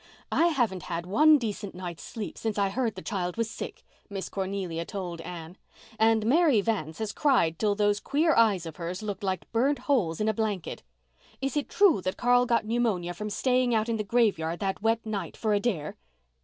"I haven't had one decent night's sleep since I heard the child was sick," Miss Cornelia told Anne, "and Mary Vance has cried until those queer eyes of hers looked like burnt holes in a blanket. Is it true that Carl got pneumonia from straying out in the graveyard that wet night for a dare?"